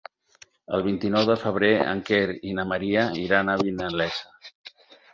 El vint-i-nou de febrer en Quer i na Maria iran a Vinalesa.